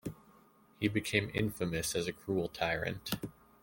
He became infamous as a cruel tyrant.